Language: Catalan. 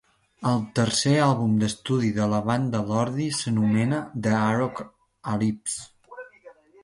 El tercer àlbum d'estudi de la banda Lordi s'anomena The Arockalypse.